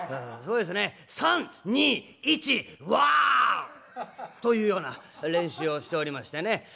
すごいですね「３２１。わ」というような練習をしておりましてね。